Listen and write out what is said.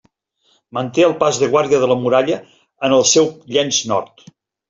Manté el pas de guàrdia de la muralla en el seu llenç nord.